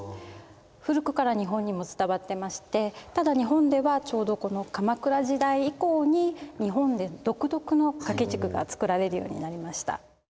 古くから日本にも伝わってましてただ日本ではちょうど鎌倉時代以降に日本で独特の掛軸が作られるようになりました。